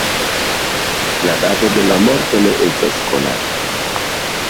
La dato de la morto ne estas konata.